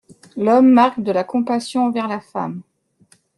L'homme marque de la compassion envers la femme.